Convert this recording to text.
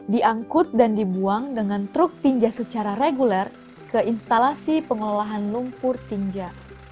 diangkut dan dibuang dengan truk tinja secara reguler ke instalasi pengelolaan lumpur tinja